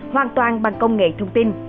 hoàn toàn bằng công nghệ thông tin